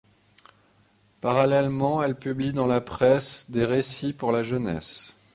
Parallèlement, elle publie dans la presse des récits pour la jeunesse.